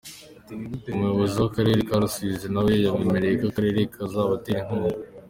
Umuyobozi w’akarere ka Rusizi nawe yabemereye ko akarere kazabateza inkunga.